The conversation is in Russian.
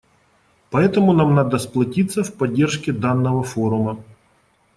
Поэтому нам надо сплотиться в поддержке данного форума.